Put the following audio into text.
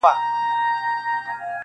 o ښه په پښه نه پيداکېږي٫